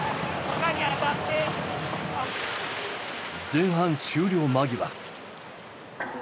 前半終了間際。